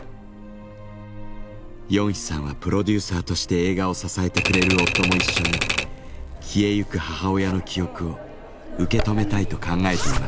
ヨンヒさんはプロデューサーとして映画を支えてくれる夫も一緒に消えゆく母親の記憶を受け止めたいと考えていました。